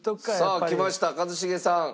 さあきました一茂さん。